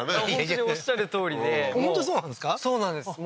本当におっしゃるとおりで本当にそうなんですか？